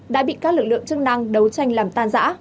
đã bị các lực lượng chức năng đấu tranh làm tan giã